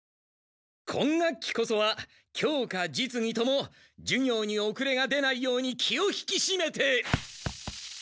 今学期こそは教科実技とも授業におくれが出ないように気を引きしめて。